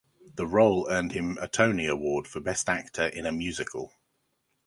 The role earned him a Tony Award for Best Actor in a Musical.